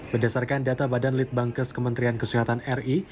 berdasarkan data badan litbangkes kementerian kesehatan ri